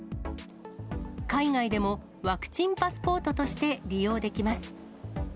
海外でもワクチンパスポートとして利用できます。